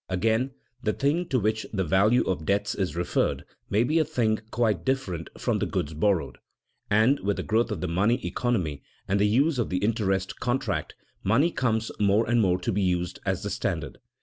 Again, the thing to which the value of debts is referred may be a thing quite different from the goods borrowed, and with the growth of the money economy and the use of the interest contract, money comes more and more to be used as the standard.